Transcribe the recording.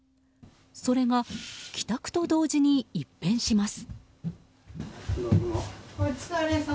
それが帰宅と同時に一変します。